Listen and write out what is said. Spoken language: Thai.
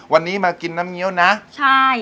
วันนี้มากินน้ำเงี้ยวนะใช่